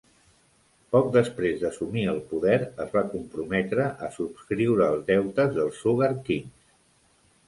Poc després d'assumir el poder, es va comprometre a subscriure els deutes dels Sugar Kings.